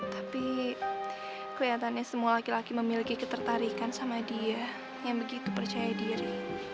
tapi kelihatannya semua laki laki memiliki ketertarikan sama dia yang begitu percaya diri